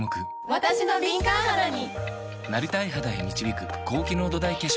わたしの敏感肌に！